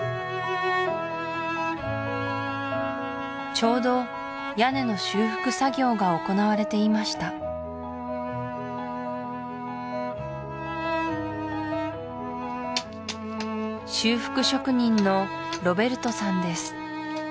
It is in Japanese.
ちょうど屋根の修復作業が行われていました修復職人のロベルトさんです